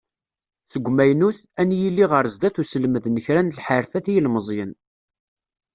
Seg umaynut, ad n-yili ɣer sdat uselmed n kra n lḥerfat i yilemẓiyen.